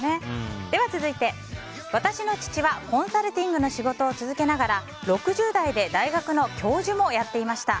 続いて、私の父はコンサルティングの仕事を続けながら６０代で大学の教授もやっていました。